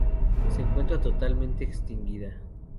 Se encuentra totalmente extinguida.